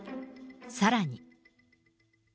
さらに。